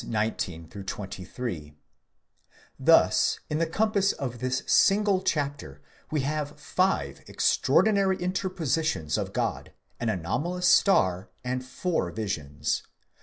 'Thus in the compass of this single chapter, we have five extraordinary interpositions of God; an anomalous star, and four visions.